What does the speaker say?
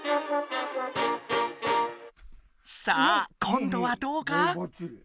さあこんどはどうか？